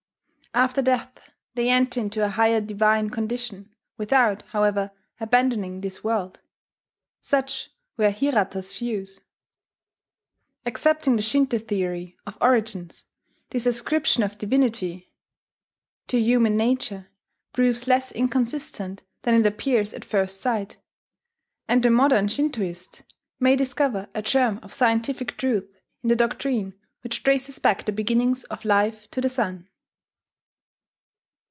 After death they enter into a higher divine condition, without, however, abandoning this world .... Such were Hirata's views. Accepting the Shinto theory of origins, this ascription of divinity to human nature proves less inconsistent than it appears at first sight; and the modern Shintoist may discover a germ of scientific truth in the doctrine which traces back the beginnings of life to the Sun.